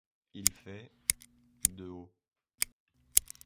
Il fait de haut.